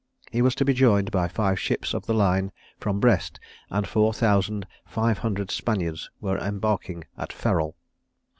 He was to be joined by five ships of the line from Brest; and four thousand five hundred Spaniards were embarking at Ferrol."